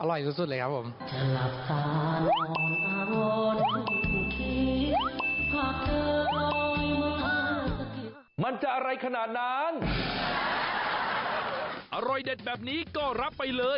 อร่อยสุดเลยครับผม